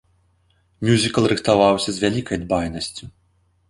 Мюзікл рыхтаваўся з вялікай дбайнасцю.